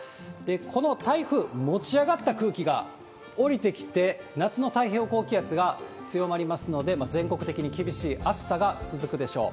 この台風、持ち上がった空気が下りてきて、夏の太平洋高気圧が強まりますので、全国的に厳しい暑さが続くでしょう。